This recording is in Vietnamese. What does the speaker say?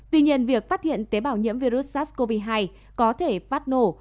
tuy nhiên việc phát hiện tế bào nhiễm virus sars cov hai có thể phát nổ